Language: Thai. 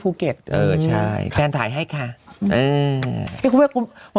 คูเกตอย่างเงี่ยแฟนถ่ายให้ค่ะ